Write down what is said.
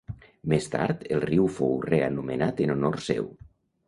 Més tard el riu fou reanomenat en honor seu.